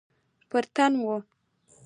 پر تن وه.